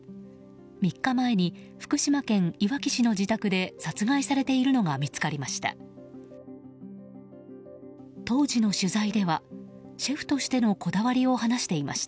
３日前に福島県いわき市の自宅で殺害されているのが見つかりました。